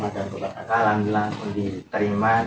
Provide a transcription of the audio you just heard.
langsung telepon ke rumah dan kebakaran